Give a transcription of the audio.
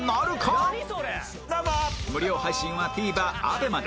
無料配信は ＴＶｅｒＡＢＥＭＡ で